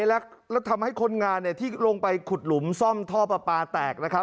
แล้วทำให้คนงานที่ลงไปขุดหลุมซ่อมท่อปลาปลาแตกนะครับ